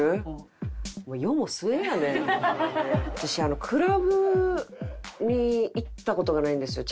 私クラブに行った事がないんですよ